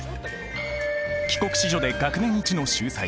帰国子女で学年一の秀才。